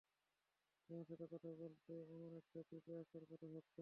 তোমার সাথে কথা বলতে এমন একটা ট্রিপে আসার কথা ভাবলাম।